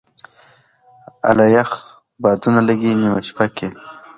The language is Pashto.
اله یخ بادونه لګې نېمه شپه کي